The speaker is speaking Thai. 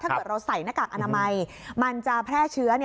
ถ้าเกิดเราใส่หน้ากากอนามัยมันจะแพร่เชื้อ